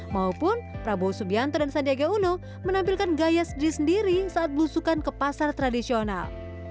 maupun prabowo subianto dan sandiaga uno menampilkan gaya sendiri sendiri saat belusukan ke pasar tradisional